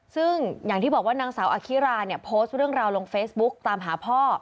ซึ่งอย่างที่บอกว่านางสาวอคิราเนี่ยโพสต์เรื่องราวลงเฟซบุ๊กตามหาพ่อ